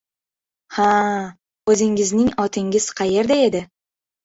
— Ha-a, o‘zingizning otingiz qayerda edi?